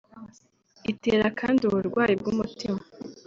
Itera kandi uburwayi bw’umutima